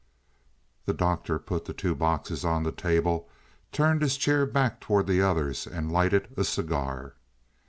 The Doctor put the two boxes on the table, turned his chair back toward the others, and lighted a cigar.